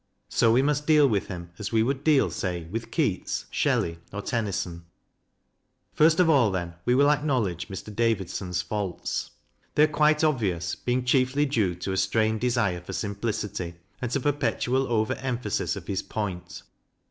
So we must deal with him as we would deal, say, with Keats, Shelley, or Tennyson. First of all, then, we will acknowledge Mr. David son's faults. They are quite obvious, being chiefly due to a strained desire for simplicity, and to perpetual over emphasis of his point.